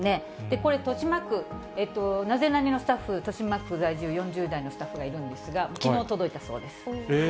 これ、豊島区、ナゼナニっ？のスタッフ、豊島区在住、４０代のスタッフがいるんですが、きのう届いたそうです。